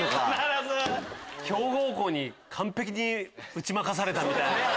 強豪校に完璧に打ち負かされたみたいな。